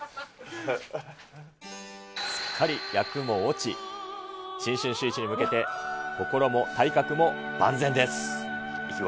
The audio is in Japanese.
すっかり厄も落ち、新春シューイチに向けて心も体格も万全です。